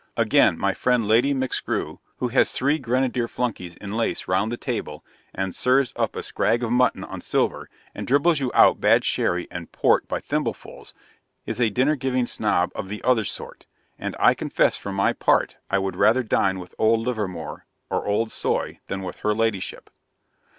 Again, my friend Lady MacScrew, who has three grenadier flunkeys in lace round the table, and serves up a scrag of mutton on silver, and dribbles you out bad sherry and port by thimblefuls, is a Dinner giving Snob of the other sort; and I confess, for my part, I would rather dine with old Livermore or old Soy than with her Ladyship.